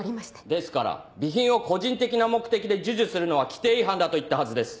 ですから備品を個人的な目的で授受するのは規定違反だと言ったはずです。